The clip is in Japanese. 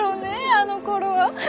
あのころは。